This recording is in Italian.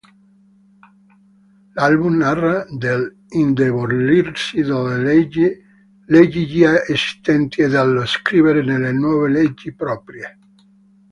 L'album narra dell'indebolirsi delle leggi già esistenti e dello scrivere delle nuove leggi proprie.